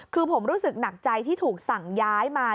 คือผมรู้สึกหนักใจที่ถูกสั่งย้ายมา